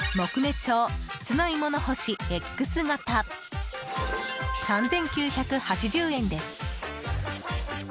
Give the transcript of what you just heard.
調室内物干しＸ型３９８０円です。